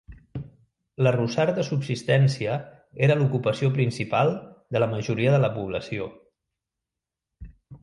L'arrossar de subsistència era l'ocupació principal de la majoria de la població.